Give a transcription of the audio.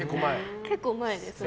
結構、前ですね。